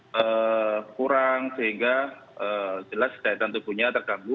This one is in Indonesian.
jadi kurang sehingga jelas daya tanda tubuhnya terganggu